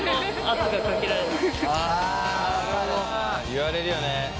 言われるよね。